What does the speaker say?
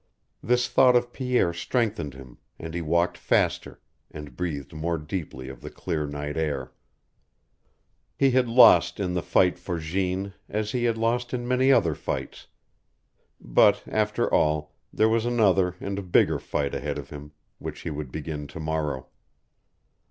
This thought of Pierre strengthened him, and he walked faster, and breathed more deeply of the clear night air. He had lost in the fight for Jeanne as he had lost in many other fights; but, after all, there was another and bigger fight ahead of him, which he would begin to morrow.